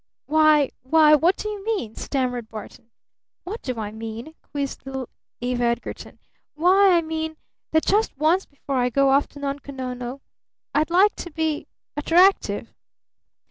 "Why why, what do you mean?" stammered Barton. "What do I mean?" quizzed little Eve Edgarton. "Why, I mean that just once before I go off to Nunko Nono I'd like to be attractive!"